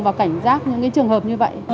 và cảnh giác những trường hợp như vậy